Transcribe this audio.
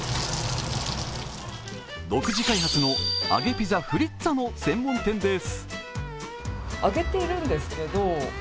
独自開発の揚げピザ、フリッツァの専門店です。